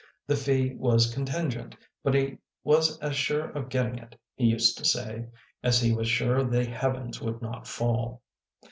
The fee was contingent, but he was as sure of getting it, he used to say, as he was sure the heavens would not fall.